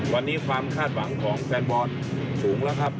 วันนี้ความคาดหวังของแฟนบอลสูงแล้วครับ